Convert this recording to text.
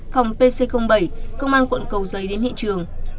phòng pc bảy công an quận cầu giấy đến hiện trường